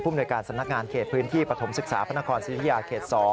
หน่วยการสำนักงานเขตพื้นที่ปฐมศึกษาพระนครศิริยาเขต๒